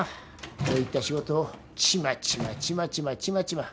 こういった仕事をちまちまちまちまちまちま。